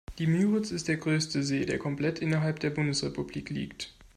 Die Müritz ist der größte See, der komplett innerhalb der Bundesrepublik liegt.